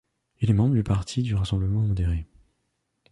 Il est membre du Parti du rassemblement modéré.